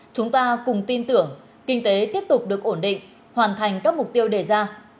chúng ta cùng tin tưởng kinh tế tiếp tục được ổn định hoàn thành các mục tiêu đề ra